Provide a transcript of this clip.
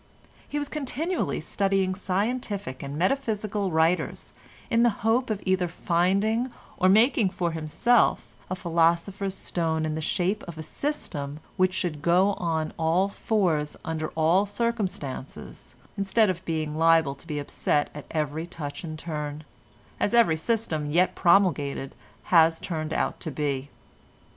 He was continually studying scientific and metaphysical writers, in the hope of either finding or making for himself a philosopher's stone in the shape of a system which should go on all fours under all circumstances, instead of being liable to be upset at every touch and turn, as every system yet promulgated has turned out to be.